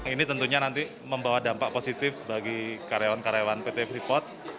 ini tentunya nanti membawa dampak positif bagi karyawan karyawan pt freeport